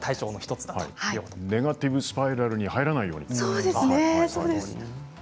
ネガティブスパイラルに入らないようにということですね。